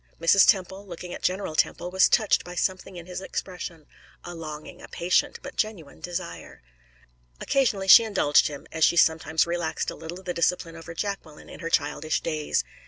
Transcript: Mrs. Temple, looking at General Temple, was touched by something in his expression a longing, a patient, but genuine desire. Occasionally she indulged him, as she sometimes relaxed a little the discipline over Jacqueline in her childish days.